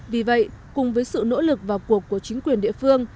vì vậy cùng với sự nỗ lực vào cuộc của chính quyền địa phương